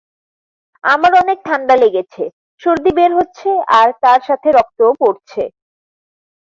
আমার অনেক ঠান্ডা লেগেছে, সর্দি বের হচ্ছে আর তার সাথে রক্তও পরছে।